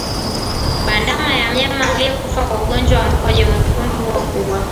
Bandama ya mnyama aliyekufa kwa ugonjwa wa mkojo mwekundu huwa kubwa